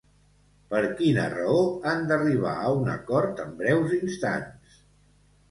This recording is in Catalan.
Per quina raó han d'arribar a un acord en breus instants?